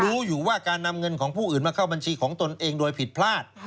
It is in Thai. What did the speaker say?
รู้อยู่ว่าการนำเงินของผู้อื่นมาเข้าบัญชีของตนเองโดยผิดพลาด